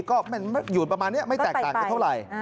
ก็มันอยู่ประมาณนี้ไม่แตกต่างกันเท่าไหร่